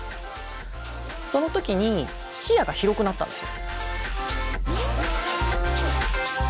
その時に視野が広くなったんですよ。